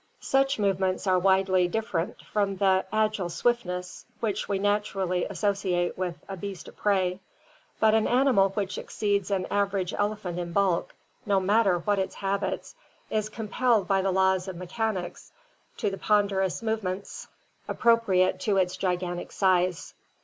Such movements are widely different from the agile swiftness which we naturally associate with a beast of prey. But an animal which exceeds an average elephant in bulk, no matter what its hab its, is compelled by the laws of mechanics to the ponderous movements ap propriate to its gigantic size.